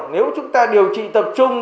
nếu chúng ta điều trị tập trung